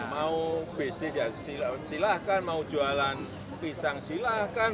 mau bisnis ya silahkan mau jualan pisang silahkan